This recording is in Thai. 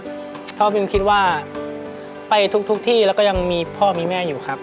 เพราะมิวคิดว่าไปทุกที่แล้วก็ยังมีพ่อมีแม่อยู่ครับ